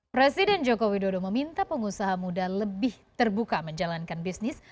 presiden joko widodo meminta pengusaha muda lebih terbuka menjalankan bisnis